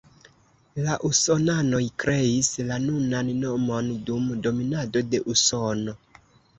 La usonanoj kreis la nunan nomon dum dominado de Usono.